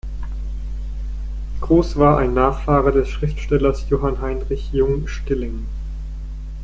Gross war ein Nachfahre des Schriftstellers Johann Heinrich Jung-Stilling.